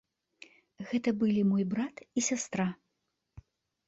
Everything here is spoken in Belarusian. Гэта былі мой брат і сястра.